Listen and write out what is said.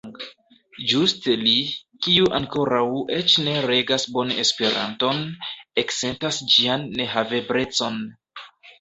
Ĝuste li, kiu ankoraŭ eĉ ne regas bone Esperanton, eksentas ĝian nehaveblecon.